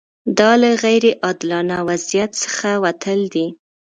دا له غیر عادلانه وضعیت څخه وتل دي.